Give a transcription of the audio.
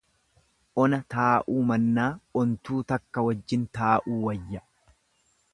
Ona taa'uu mannaa ontuu takka wajjin taa'uu wayya.